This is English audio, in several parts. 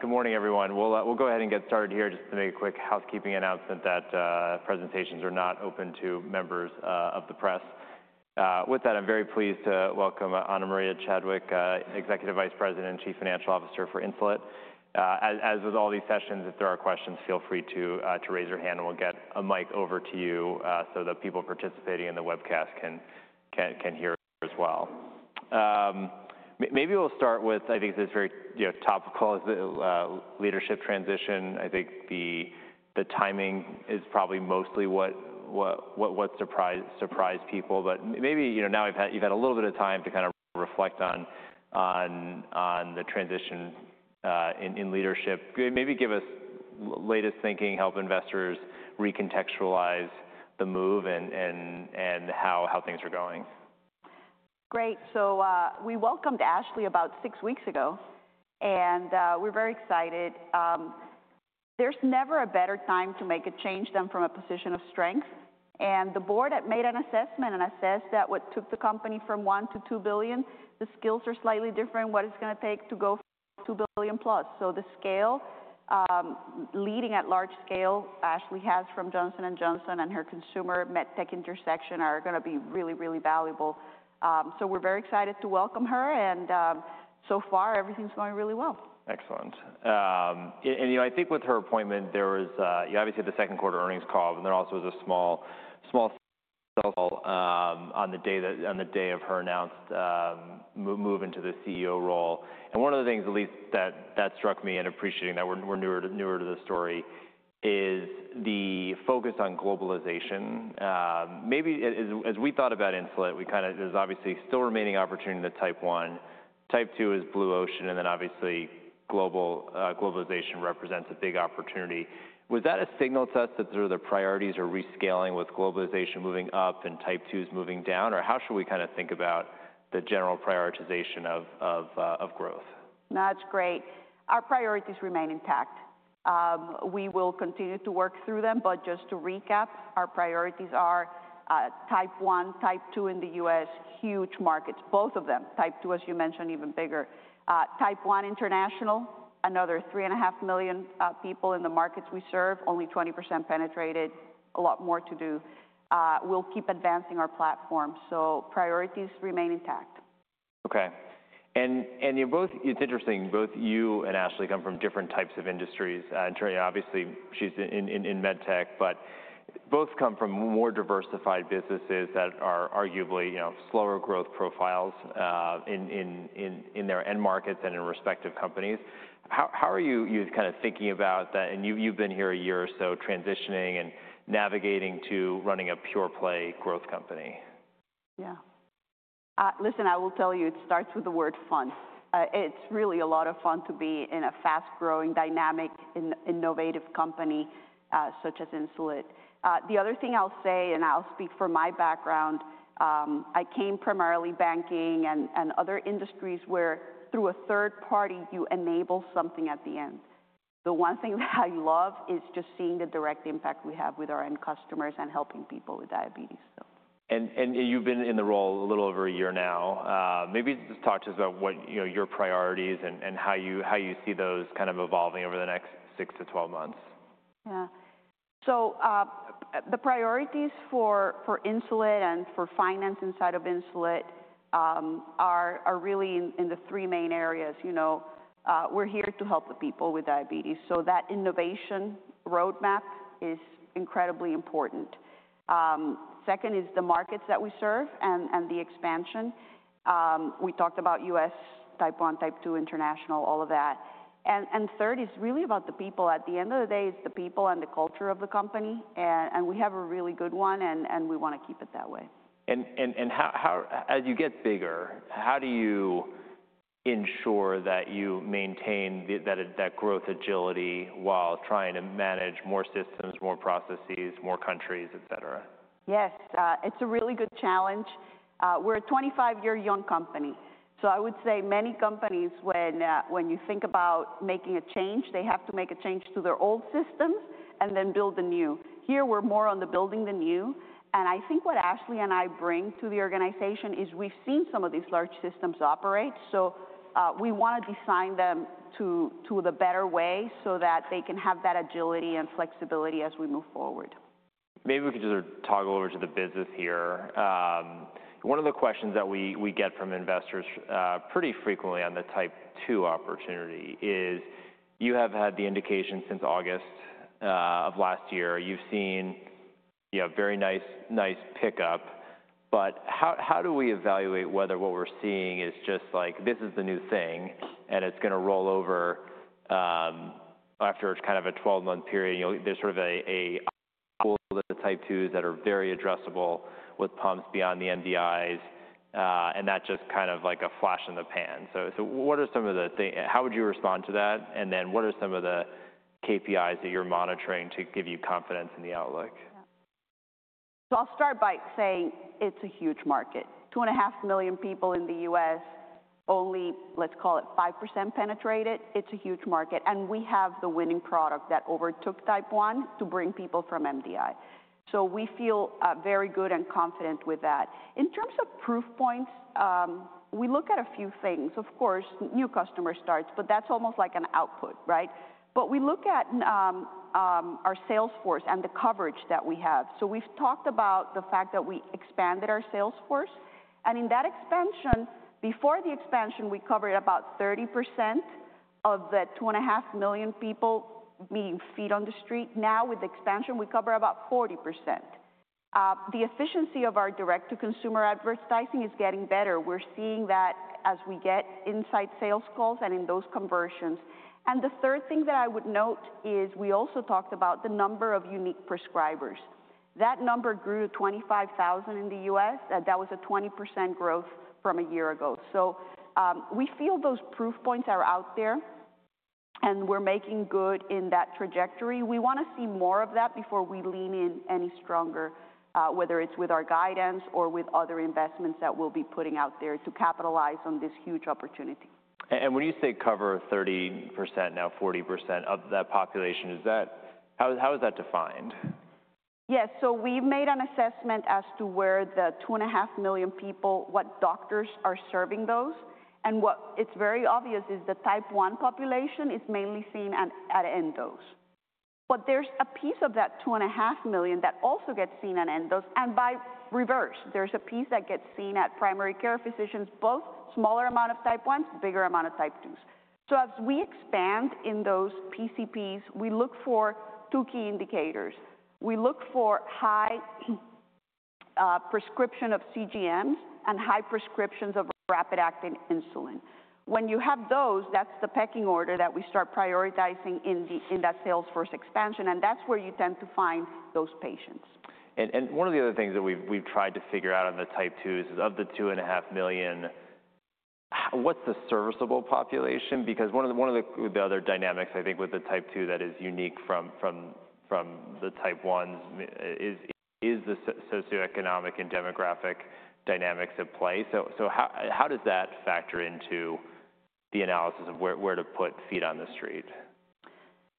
Good morning, everyone. We'll go ahead and get started here. Just to make a quick housekeeping announcement that presentations are not open to members of the press. With that, I'm very pleased to welcome Ana Maria Chadwick, Executive Vice President and Chief Financial Officer for Insulet. As with all these sessions, if there are questions, feel free to raise your hand, and we'll get a mic over to you so that people participating in the webcast can hear as well. Maybe we'll start with, I think this is very topical, is the leadership transition. I think the timing is probably mostly what surprised people, but maybe now you've had a little bit of time to kind of reflect on the transition in leadership. Maybe give us latest thinking, help investors recontextualize the move and how things are going. Great. We welcomed Ashley about six weeks ago, and we're very excited. There is never a better time to make a change than from a position of strength. The board made an assessment, and it says that what took the company from one to two billion, the skills, are slightly different than what it is going to take to go from two billion plus. The scale, leading at large scale, Ashley has from Johnson & Johnson, and her consumer medtech intersection are going to be really, really valuable. We are very excited to welcome her, and so far, everything is going really well. Excellent. I think with her appointment, there was obviously the second-quarter earnings call, and there also was a small sell on the day of her announced move into the CEO role. One of the things, at least, that struck me in appreciating that we're newer to the story is the focus on globalization. Maybe as we thought about Insulet, there's obviously still remaining opportunity in the type one. Type two is blue ocean, and then obviously globalization represents a big opportunity. Was that a signal to us that sort of the priorities are rescaling with globalization moving up and type two's moving down? How should we kind of think about the general prioritization of growth? That's great. Our priorities remain intact. We will continue to work through them, but just to recap, our priorities are type one, type two in the U.S., huge markets, both of them. Type two, as you mentioned, even bigger. Type one international, another 3.5 million people in the markets we serve, only 20% penetrated. A lot more to do. We'll keep advancing our platform, so priorities remain intact. Okay. It's interesting, both you and Ashley come from different types of industries. Obviously, she's in medtech, but both come from more diversified businesses that are arguably slower growth profiles in their end markets and in respective companies. How are you kind of thinking about that? You've been here a year or so transitioning and navigating to running a pure-play growth company. Yeah. Listen, I will tell you, it starts with the word fun. It's really a lot of fun to be in a fast-growing, dynamic, innovative company such as Insulet. The other thing I'll say, and I'll speak from my background, I came primarily banking and other industries where, through a third party, you enable something at the end. The one thing that I love is just seeing the direct impact we have with our end customers and helping people with diabetes. You've been in the role a little over a year now. Maybe just talk to us about what your priorities are and how you see those kind of evolving over the next six to twelve months. Yeah. The priorities for Insulet and for finance inside of Insulet are really in three main areas. We're here to help the people with diabetes, so that innovation roadmap is incredibly important. Second is the markets that we serve and the expansion. We talked about US type one, type two international, all of that. Third is really about the people. At the end of the day, it's the people and the culture of the company, and we have a really good one, and we want to keep it that way. As you get bigger, how do you ensure that you maintain that growth agility while trying to manage more systems, more processes, more countries, et cetera? Yes. It's a really good challenge. We're a 25-year-old young company. I would say many companies, when you think about making a change, they have to make a change to their old systems and then build a new. Here, we're more on the building the new. I think what Ashley and I bring to the organization is we've seen some of these large systems operate, so we want to design them to the better way so that they can have that agility and flexibility as we move forward. Maybe we could just toggle over to the business here. One of the questions that we get from investors pretty frequently on the type two opportunity is you have had the indication since August of last year. You've seen a very nice pickup, but how do we evaluate whether what we're seeing is just like this is the new thing and it's going to roll over after kind of a 12-month period? There are sort of type twos that are very addressable with pumps beyond the MDIs, and that's just kind of like a flash in the pan. What are some of the things? How would you respond to that? What are some of the KPIs that you're monitoring to give you confidence in the outlook? I'll start by saying it's a huge market. Two and a half million people in the U.S., only let's call it 5% penetrated. It's a huge market. We have the winning product that overtook type one to bring people from MDI. We feel very good and confident with that. In terms of proof points, we look at a few things. Of course, new customer starts, but that's almost like an output, right? We look at our sales force and the coverage that we have. We've talked about the fact that we expanded our sales force. In that expansion, before the expansion, we covered about 30% of the two and a half million people being feet on the street. Now with the expansion, we cover about 40%. The efficiency of our direct-to-consumer advertising is getting better. We're seeing that as we get inside sales calls and in those conversions. The third thing that I would note is we also talked about the number of unique prescribers. That number grew to 25,000 in the US. That was a 20% growth from a year ago. We feel those proof points are out there, and we're making good in that trajectory. We want to see more of that before we lean in any stronger, whether it's with our guidance or with other investments that we'll be putting out there to capitalize on this huge opportunity. When you say cover 30%, now 40% of that population, how is that defined? Yes. We have made an assessment as to where the two and a half million people, what doctors are serving those. What is very obvious is the type 1 population is mainly seen at endos. There is a piece of that two and a half million that also gets seen at endos. By reverse, there is a piece that gets seen at primary care physicians, both smaller amount of type 1s, bigger amount of type 2s. As we expand in those PCPs, we look for two key indicators. We look for high prescription of CGMs and high prescriptions of rapid-acting insulin. When you have those, that is the pecking order that we start prioritizing in that sales force expansion, and that is where you tend to find those patients. One of the other things that we've tried to figure out on the type twos is of the two and a half million, what's the serviceable population? Because one of the other dynamics, I think, with the type two that is unique from the type ones is the socioeconomic and demographic dynamics at play. How does that factor into the analysis of where to put feet on the street?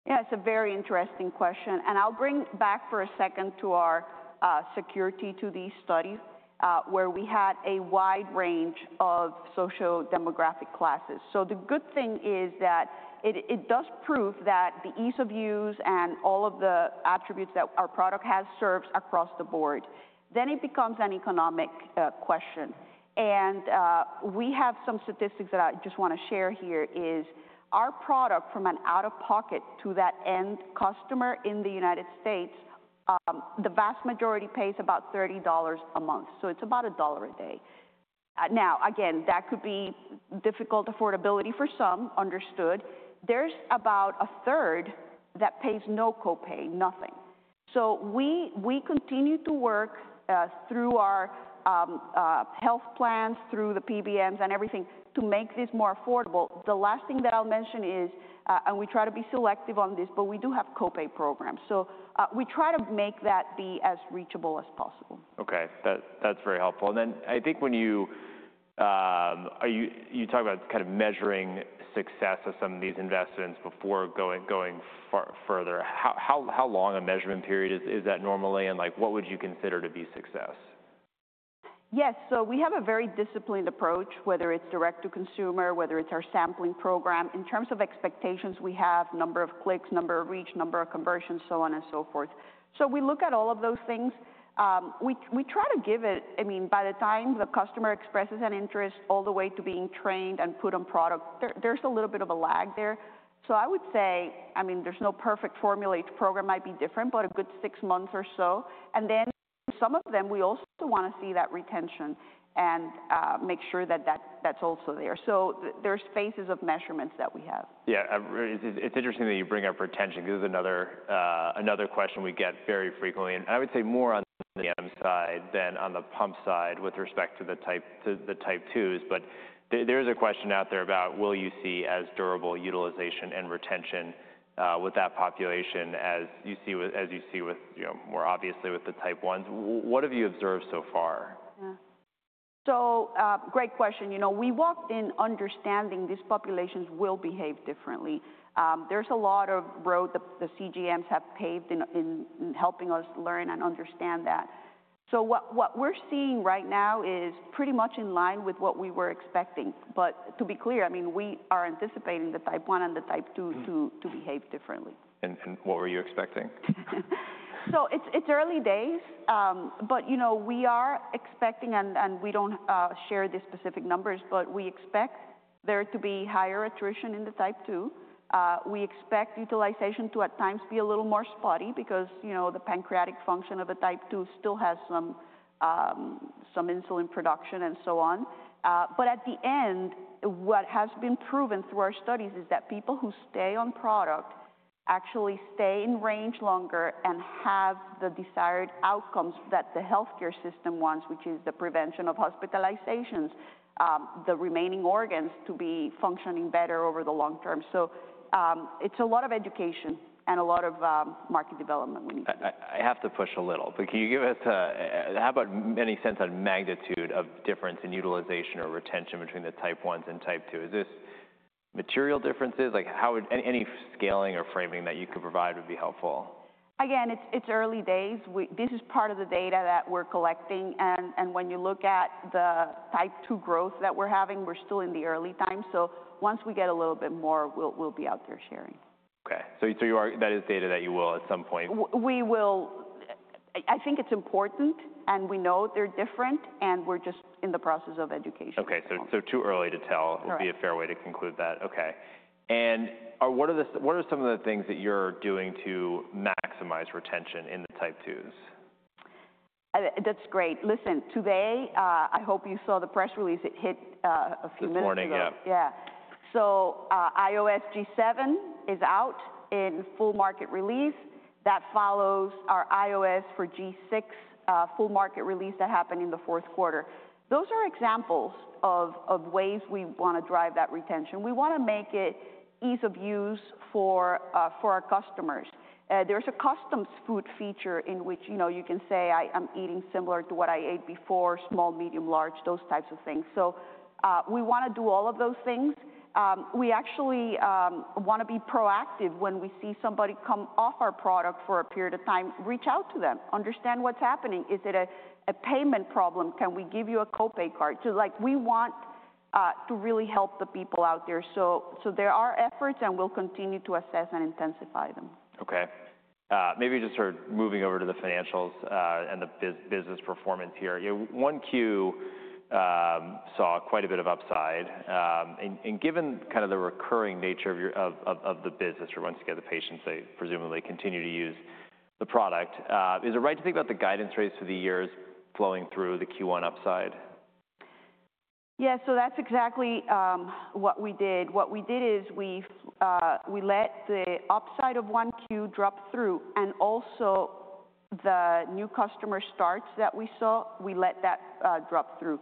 Yeah, it's a very interesting question. I'll bring back for a second to our security to these studies where we had a wide range of social demographic classes. The good thing is that it does prove that the ease of use and all of the attributes that our product has serves across the board. It becomes an economic question. We have some statistics that I just want to share here is our product from an out-of-pocket to that end customer in the United States; the vast majority pays about $30 a month. It's about a dollar a day. Now, again, that could be difficult affordability for some, understood. There's about a third that pays no copay, nothing. We continue to work through our health plans, through the PBMs and everything, to make this more affordable. The last thing that I'll mention is, and we try to be selective on this, but we do have copay programs. We try to make that be as reachable as possible. Okay. That's very helpful. I think when you talk about kind of measuring success of some of these investments before going further, how long a measurement period is that normally? What would you consider to be success? Yes. So we have a very disciplined approach, whether it's direct-to-consumer, whether it's our sampling program. In terms of expectations, we have number of clicks, number of reach, number of conversions, so on and so forth. We look at all of those things. We try to give it, I mean, by the time the customer expresses an interest all the way to being trained and put on product, there's a little bit of a lag there. I would say, I mean, there's no perfect formula. Each program might be different, but a good six months or so. Some of them, we also want to see that retention and make sure that that's also there. There are phases of measurements that we have. Yeah. It's interesting that you bring up retention because this is another question we get very frequently. I would say more on the MDI side than on the pump side with respect to the type twos. There is a question out there about will you see as durable utilization and retention with that population as you see more obviously with the type ones? What have you observed so far? Yeah. Great question. We walked in understanding these populations will behave differently. There's a lot of road the CGMs have paved in helping us learn and understand that. What we're seeing right now is pretty much in line with what we were expecting. To be clear, I mean, we are anticipating the type one and the type two to behave differently. What were you expecting? It's early days, but we are expecting, and we don't share the specific numbers, but we expect there to be higher attrition in the type two. We expect utilization to at times be a little more spotty because the pancreatic function of a type two still has some insulin production and so on. At the end, what has been proven through our studies is that people who stay on product actually stay in range longer and have the desired outcomes that the healthcare system wants, which is the prevention of hospitalizations, the remaining organs to be functioning better over the long term. It's a lot of education and a lot of market development we need. I have to push a little, but can you give us how about any sense on magnitude of difference in utilization or retention between the type ones and type twos? Is this material differences? Any scaling or framing that you could provide would be helpful. Again, it's early days. This is part of the data that we're collecting. When you look at the type 2 growth that we're having, we're still in the early time. Once we get a little bit more, we'll be out there sharing. Okay. So that is data that you will at some point. We will. I think it's important, and we know they're different, and we're just in the process of education. Okay. Too early to tell would be a fair way to conclude that. Okay. And what are some of the things that you're doing to maximize retention in the type twos? That's great. Listen, today, I hope you saw the press release. It hit a few minutes ago. This morning, yeah. Yeah. iOS G7 is out in full market release. That follows our iOS for G6 full market release that happened in the fourth quarter. Those are examples of ways we want to drive that retention. We want to make it ease of use for our customers. There's a customs food feature in which you can say, "I'm eating similar to what I ate before—small, medium, large," those types of things. We want to do all of those things. We actually want to be proactive when we see somebody come off our product for a period of time, reach out to them, understand what's happening. Is it a payment problem? Can we give you a copay card? We want to really help the people out there. There are efforts, and we'll continue to assess and intensify them. Okay. Maybe just sort of moving over to the financials and the business performance here. Q1 saw quite a bit of upside. And given kind of the recurring nature of the business, or once again, the patients, they presumably continue to use the product. Is it right to think about the guidance rates for the years flowing through the Q1 upside? Yeah. That's exactly what we did. What we did is we let the upside of Q1 drop through, and also the new customer starts that we saw, we let that drop through.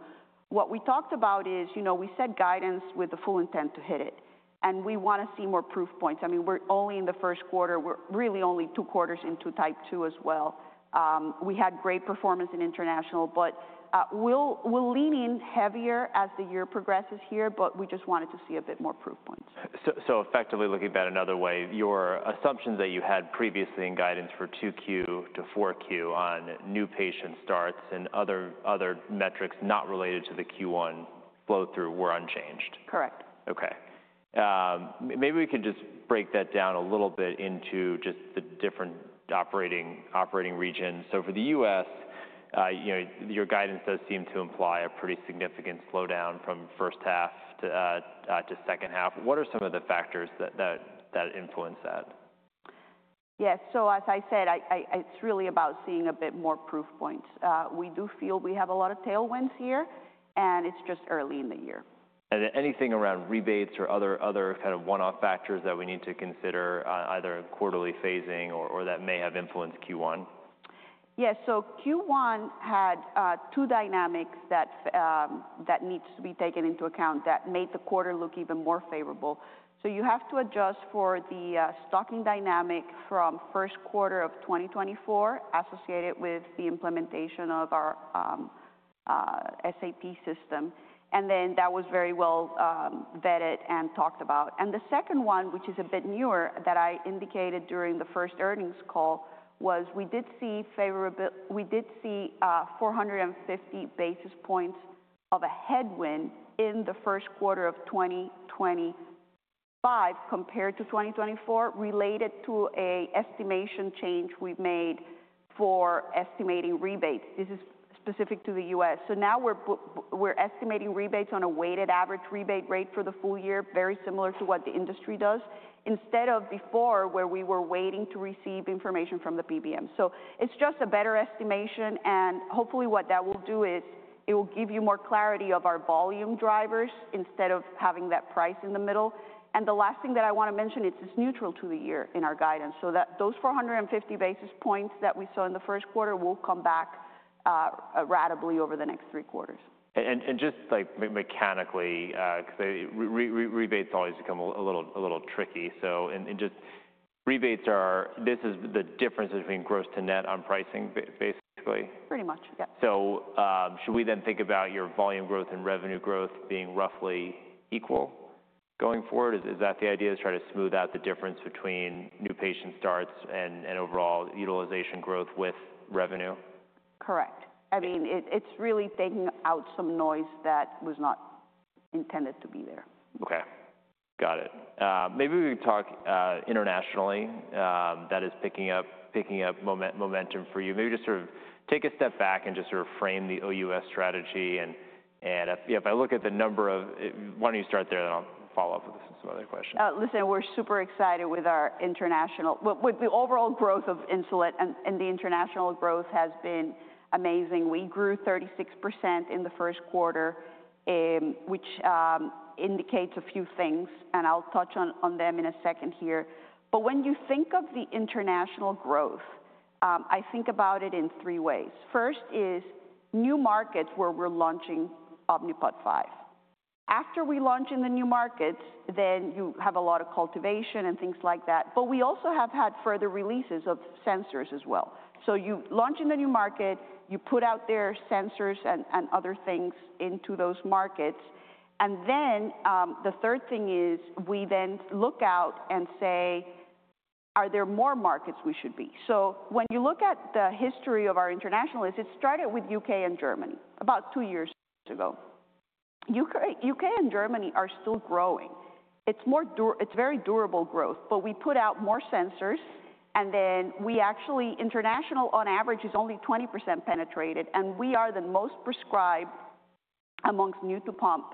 What we talked about is we set guidance with the full intent to hit it. We want to see more proof points. I mean, we're only in the first quarter. We're really only two quarters into type 2 as well. We had great performance in international, but we'll lean in heavier as the year progresses here, but we just wanted to see a bit more proof points. Effectively looking at that another way, your assumptions that you had previously in guidance for 2Q to 4Q on new patient starts and other metrics not related to the Q1 flow through were unchanged. Correct. Okay. Maybe we could just break that down a little bit into just the different operating regions. For the U.S., your guidance does seem to imply a pretty significant slowdown from first half to second half. What are some of the factors that influence that? Yes. As I said, it's really about seeing a bit more proof points. We do feel we have a lot of tailwinds here and it's just early in the year. Anything around rebates or other kind of one-off factors that we need to consider either quarterly phasing or that may have influenced Q1? Yes. Q1 had two dynamics that need to be taken into account that made the quarter look even more favorable. You have to adjust for the stocking dynamic from first quarter of 2024 associated with the implementation of our SAP system. That was very well vetted and talked about. The second one, which is a bit newer that I indicated during the first earnings call, was we did see 450 basis points of a headwind in the first quarter of 2025 compared to 2024 related to an estimation change we made for estimating rebates. This is specific to the U.S. Now we are estimating rebates on a weighted average rebate rate for the full year, very similar to what the industry does, instead of before, where we were waiting to receive information from the PBM. It is just a better estimation. Hopefully what that will do is it will give you more clarity of our volume drivers instead of having that price in the middle. The last thing that I want to mention, it's neutral to the year in our guidance. Those 450 basis points that we saw in the first quarter will come back radically over the next three quarters. Mechanically, rebates always become a little tricky. Rebates: this is the difference between gross to net on pricing, basically. Pretty much, yeah. Should we then think about your volume growth and revenue growth being roughly equal going forward? Is that the idea, to try to smooth out the difference between new patient starts and overall utilization growth with revenue? Correct. I mean, it's really taking out some noise that was not intended to be there. Okay. Got it. Maybe we can talk internationally. That is picking up momentum for you. Maybe just sort of take a step back and just sort of frame the OUS strategy. If I look at the number of—why don't you start there, then I'll follow up with some other questions. Listen, we're super excited with our international. The overall growth of insulin and the international growth has been amazing. We grew 36% in the first quarter, which indicates a few things, and I'll touch on them in a second here. When you think of the international growth, I think about it in three ways. First is new markets where we're launching Omnipod 5. After we launch in the new markets, then you have a lot of cultivation and things like that. We also have had further releases of sensors as well. You launch in the new market, you put out there sensors and other things into those markets. The third thing is we then look out and say, "Are there more markets we should be?" When you look at the history of our international, it started with U.K. and Germany about two years ago. U.K. and Germany are still growing. It's very durable growth, but we put out more sensors, and then we actually international on average is only 20% penetrated. We are the most prescribed amongst new to pump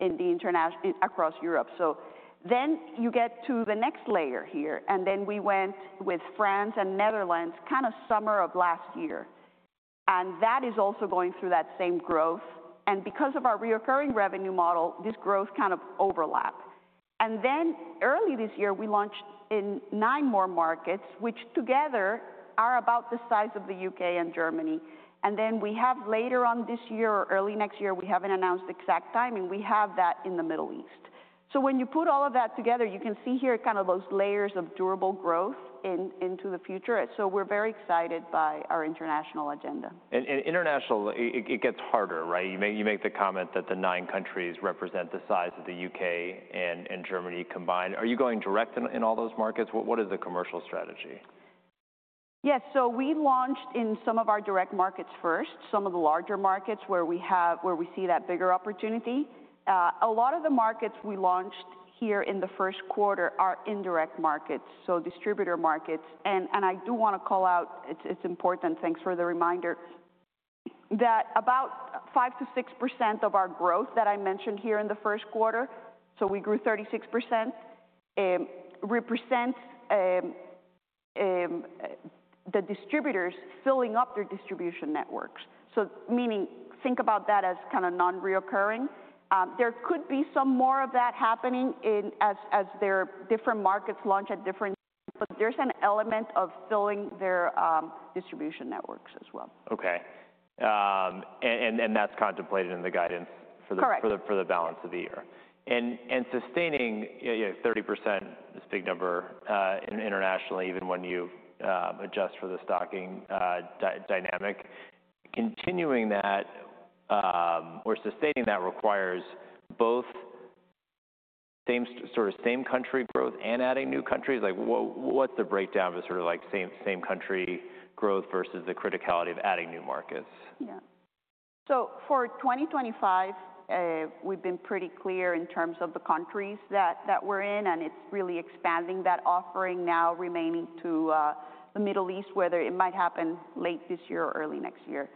across Europe. You get to the next layer here. We went with France and Netherlands kind of summer of last year. That is also going through that same growth. Because of our reoccurring revenue model, this growth kind of overlap. Early this year, we launched in nine more markets, which together are about the size of the U.K. and Germany. We have later on this year or early next year; we haven't announced exact timing. We have that in the Middle East. When you put all of that together, you can see here kind of those layers of durable growth into the future. We're very excited by our international agenda. International, it gets harder, right? You make the comment that the nine countries represent the size of the U.K. and Germany combined. Are you going direct in all those markets? What is the commercial strategy? Yes. We launched in some of our direct markets first, some of the larger markets where we see that bigger opportunity. A lot of the markets we launched here in the first quarter are indirect markets, so distributor markets. I do want to call out, it's important, thanks for the reminder, that about 5%-6% of our growth that I mentioned here in the first quarter, so we grew 36%, represents the distributors filling up their distribution networks. Meaning, think about that as kind of non-reoccurring. There could be some more of that happening as their different markets launch at different times. There is an element of filling their distribution networks as well. Okay. And that's contemplated in the guidance for the balance of the year. Sustaining 30%, this big number internationally, even when you adjust for the stocking dynamic, continuing that or sustaining that requires both same sort of same-country growth and adding new countries. What's the breakdown of sort of same-country growth versus the criticality of adding new markets? Yeah. For 2025, we've been pretty clear in terms of the countries that we're in, and it's really expanding that offering now, remaining to the Middle East, whether it might happen late this year or early next year.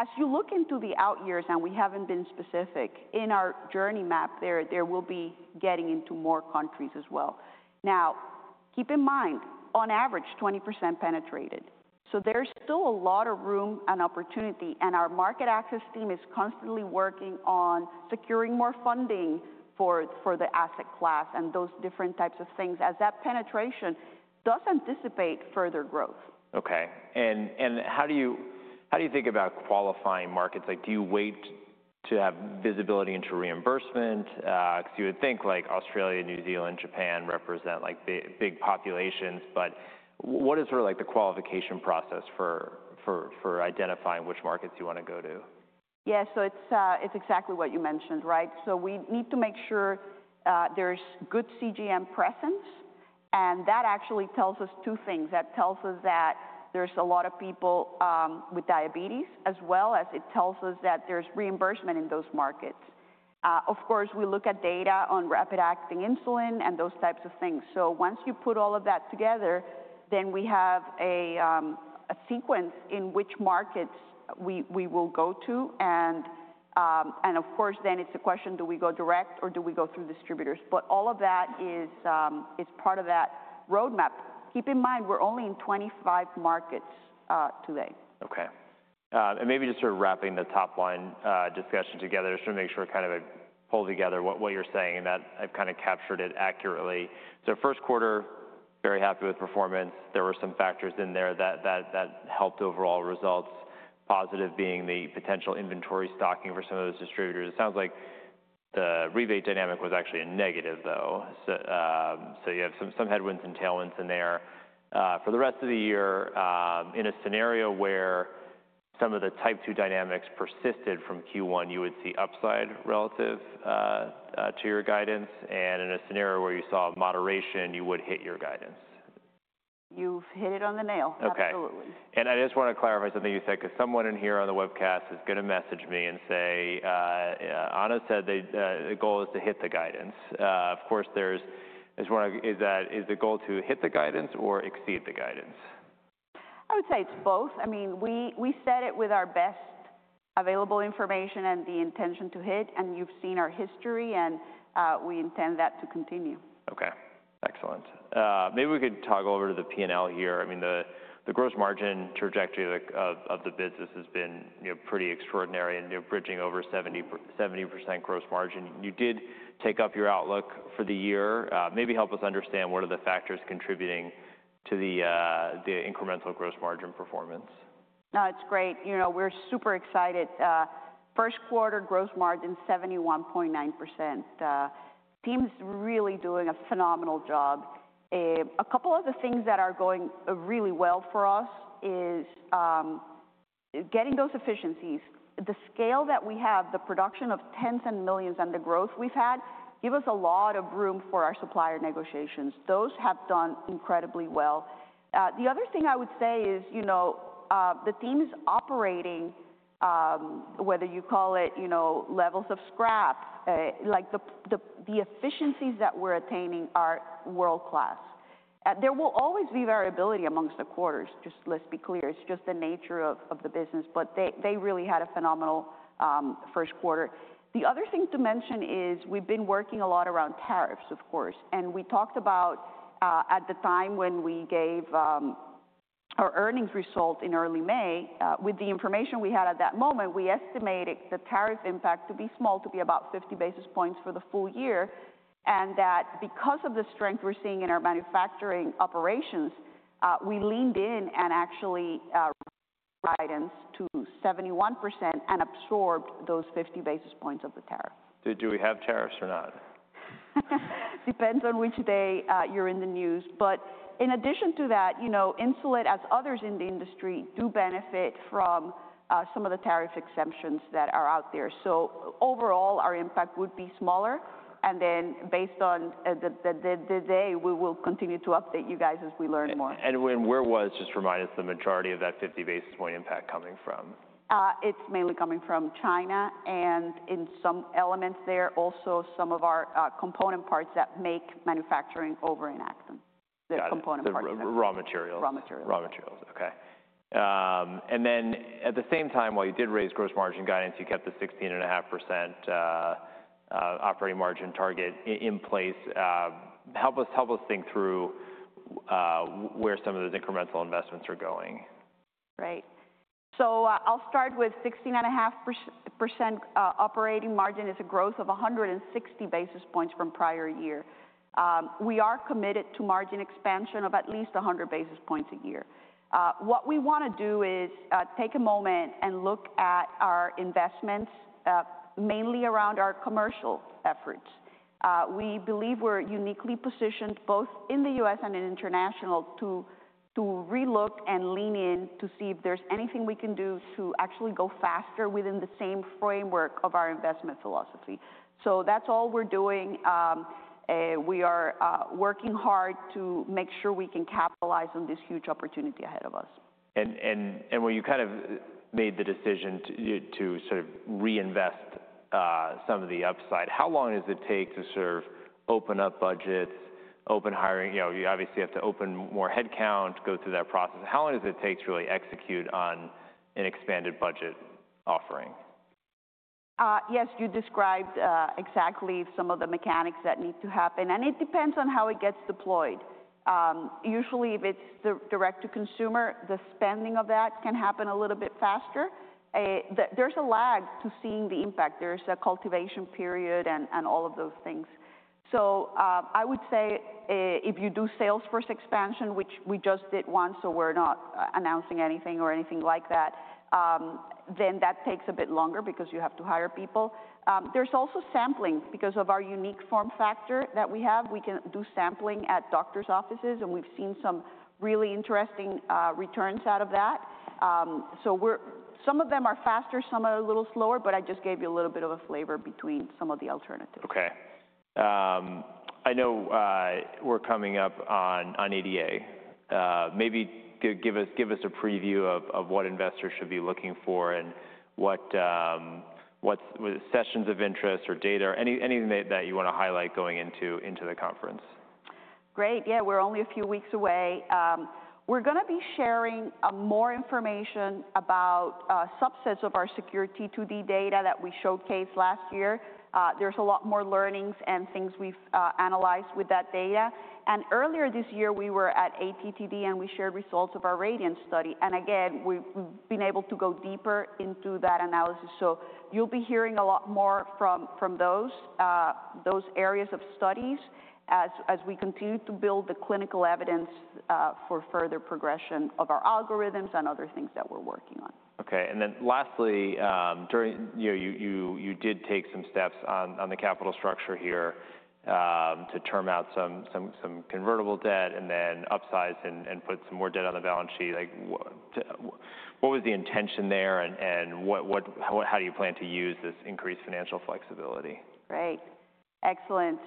As you look into the out years, and we haven't been specific, in our journey map, there will be getting into more countries as well. Now, keep in mind, on average, 20% penetrated. So there's still a lot of room and opportunity, and our market access team is constantly working on securing more funding for the asset class and those different types of things, as that penetration does anticipate further growth. Okay. How do you think about qualifying markets? Do you wait to have visibility into reimbursement? You would think Australia, New Zealand, Japan represent big populations, but what is sort of the qualification process for identifying which markets you want to go to? Yeah. So it's exactly what you mentioned, right? We need to make sure there's good CGM presence. That actually tells us two things. That tells us that there's a lot of people with diabetes as well as it tells us that there's reimbursement in those markets. Of course, we look at data on rapid-acting insulin and those types of things. Once you put all of that together, we have a sequence in which markets we will go to. Of course, then it's a question: do we go direct, or do we go through distributors? All of that is part of that roadmap. Keep in mind, we're only in 25 markets today. Okay. Maybe just sort of wrapping the top line discussion together just to make sure we're kind of pulling together what you're saying and that I've kind of captured it accurately. First quarter, very happy with performance. There were some factors in there that helped overall results, positive being the potential inventory stocking for some of those distributors. It sounds like the rebate dynamic was actually a negative, though. You have some headwinds and tailwinds in there. For the rest of the year, in a scenario where some of the type 2 dynamics persisted from Q1, you would see upside relative to your guidance. In a scenario where you saw moderation, you would hit your guidance. You've hit it on the nail. Absolutely. Okay. I just want to clarify something you said because someone in here on the webcast is going to message me and say, "Ana said the goal is to hit the guidance." Of course, is the goal to hit the guidance or exceed the guidance? I would say it's both. I mean, we set it with our best available information and the intention to hit. You've seen our history, and we intend that to continue. Okay. Excellent. Maybe we could toggle over to the P&L here. I mean, the gross margin trajectory of the business has been pretty extraordinary and bridging over 70% gross margin. You did take up your outlook for the year. Maybe help us understand what are the factors contributing to the incremental gross margin performance. No, it's great. We're super excited. First quarter gross margin: 71.9%. Team's really doing a phenomenal job. A couple of the things that are going really well for us is getting those efficiencies. The scale that we have, the production of tens and millions, and the growth we've had give us a lot of room for our supplier negotiations. Those have done incredibly well. The other thing I would say is the team's operating; whether you call it levels of scrap, the efficiencies that we're attaining are world-class. There will always be variability amongst the quarters. Just let's be clear. It's just the nature of the business, but they really had a phenomenal first quarter. The other thing to mention is we've been working a lot around tariffs, of course. We talked about at the time when we gave our earnings result in early May; with the information we had at that moment, we estimated the tariff impact to be small, to be about 50 basis points for the full year. Because of the strength we're seeing in our manufacturing operations, we leaned in and actually guidance to 71% and absorbed those 50 basis points of the tariff. Do we have tariffs or not? Depends on which day you're in the news. In addition to that, insulin as others in the industry do benefit from some of the tariff exemptions that are out there. Overall, our impact would be smaller. Based on the day, we will continue to update you guys as we learn more. Where was, just remind us, the majority of that 50 basis point impact coming from? It's mainly coming from China, and in some elements there, also some of our component parts that make manufacturing over in Akron. The component parts there. Raw materials. Raw materials. Raw materials. Okay. At the same time, while you did raise gross margin guidance, you kept the 16.5% operating margin target in place. Help us think through where some of those incremental investments are going. Right. I'll start with 16.5% operating margin, which is a growth of 160 basis points from prior year. We are committed to margin expansion of at least 100 basis points a year. What we want to do is take a moment and look at our investments, mainly around our commercial efforts. We believe we're uniquely positioned both in the U.S. and in international to relook and lean in to see if there's anything we can do to actually go faster within the same framework of our investment philosophy. That's all we're doing. We are working hard to make sure we can capitalize on this huge opportunity ahead of us. When you kind of made the decision to sort of reinvest some of the upside, how long does it take to sort of open up budgets, open hiring? You obviously have to open more headcount, go through that process. How long does it take to really execute on an expanded budget offering? Yes, you described exactly some of the mechanics that need to happen. It depends on how it gets deployed. Usually, if it's direct to consumer, the spending of that can happen a little bit faster. There's a lag to seeing the impact. There's a cultivation period and all of those things. I would say if you do sales force expansion, which we just did once, so we're not announcing anything or anything like that, that takes a bit longer because you have to hire people. There's also sampling because of our unique form factor that we have. We can do sampling at doctors' offices, and we've seen some really interesting returns out of that. Some of them are faster, some are a little slower, but I just gave you a little bit of a flavor between some of the alternatives. Okay. I know we're coming up on ADA. Maybe give us a preview of what investors should be looking for and what sessions of interest or data—anything that you want to highlight going into the conference. Great. Yeah, we're only a few weeks away. We're going to be sharing more information about subsets of our security 2D data that we showcased last year. There's a lot more learnings and things we've analyzed with that data. Earlier this year, we were at ATTD, and we shared results of our radiance study. Again, we've been able to go deeper into that analysis. You'll be hearing a lot more from those areas of studies as we continue to build the clinical evidence for further progression of our algorithms and other things that we're working on. Okay. Lastly, you did take some steps on the capital structure here to term out some convertible debt and then upsize and put some more debt on the balance sheet. What was the intention there and how do you plan to use this increased financial flexibility? Right. Excellent.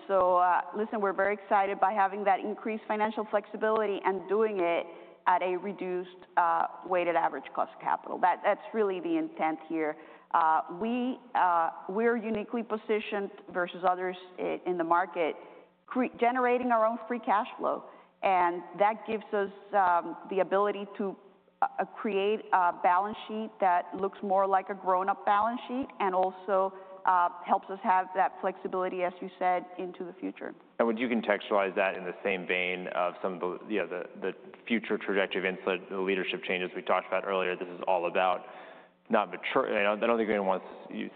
Listen, we're very excited by having that increased financial flexibility and doing it at a reduced weighted average cost of capital. That's really the intent here. We are uniquely positioned versus others in the market, generating our own free cash flow. That gives us the ability to create a balance sheet that looks more like a grown-up balance sheet and also helps us have that flexibility, as you said, into the future. Would you contextualize that in the same vein of some of the future trajectory of insulin, the leadership changes we talked about earlier? This is all about not maturing. I do not think anyone wants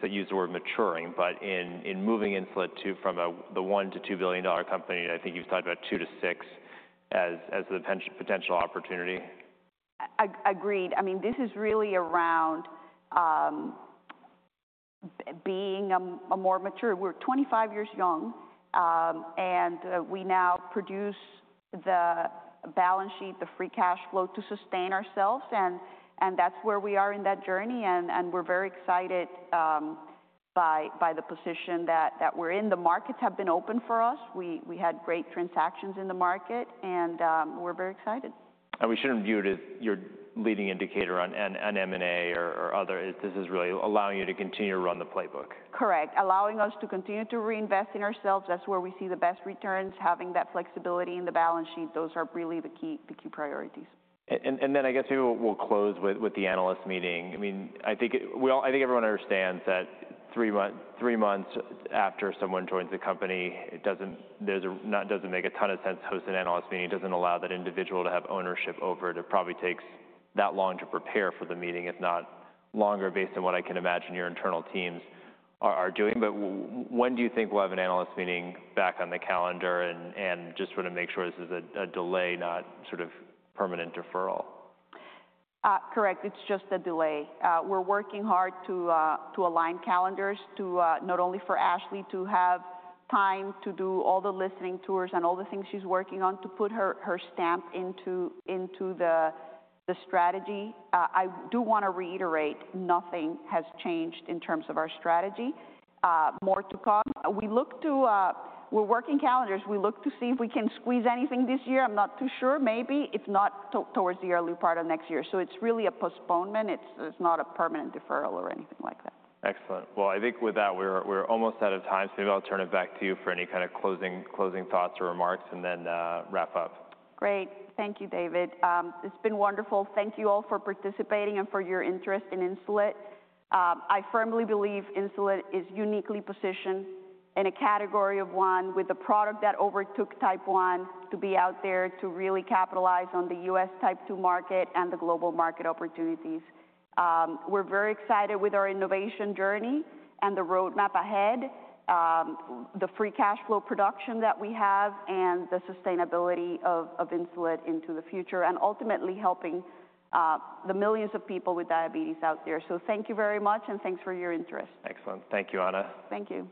to use the word maturing, but in moving insulin from the $1 billion to $2 billion company, I think you have talked about $2 billion-$6 billion as the potential opportunity. Agreed. I mean, this is really around being more mature. We're 25 years young, and we now produce the balance sheet, the free cash flow to sustain ourselves. That's where we are in that journey. We're very excited by the position that we're in. The markets have been open for us. We had great transactions in the market, and we're very excited. We should not view it as your leading indicator on M&A or other. This is really allowing you to continue to run the playbook. Correct. Allowing us to continue to reinvest in ourselves. That is where we see the best returns, having that flexibility in the balance sheet. Those are really the key priorities. I guess we'll close with the analyst meeting. I mean, I think everyone understands that three months after someone joins the company, it doesn't make a ton of sense to host an analyst meeting. It doesn't allow that individual to have ownership over it. It probably takes that long to prepare for the meeting, if not longer, based on what I can imagine your internal teams are doing. When do you think we'll have an analyst meeting back on the calendar and just want to make sure this is a delay, not sort of permanent deferral? Correct. It's just a delay. We're working hard to align calendars to not only for Ashley to have time to do all the listening tours and all the things she's working on to put her stamp into the strategy. I do want to reiterate, nothing has changed in terms of our strategy. More to come. We're working calendars. We look to see if we can squeeze anything this year. I'm not too sure. Maybe, if not towards the early part of next year. It is really a postponement. It's not a permanent deferral or anything like that. Excellent. I think with that, we're almost out of time. Maybe I'll turn it back to you for any kind of closing thoughts or remarks and then wrap up. Great. Thank you, David. It's been wonderful. Thank you all for participating and for your interest in Insulet. I firmly believe Insulet is uniquely positioned in a category of one with a product that overtook type one to be out there to really capitalize on the US type two market and the global market opportunities. We're very excited with our innovation journey and the roadmap ahead, the free cash flow production that we have, and the sustainability of Insulet into the future, and ultimately helping the millions of people with diabetes out there. Thank you very much and thanks for your interest. Excellent. Thank you, Ana. Thank you.